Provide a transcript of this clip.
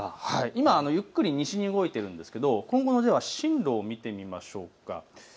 今ゆっくり西に動いているんですが今後の進路を見てみましょう。